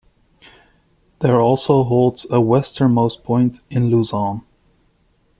There also holds the westernmost point in Luzon.